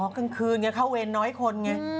กลางคืนไงเข้าเวรน้อยคนไง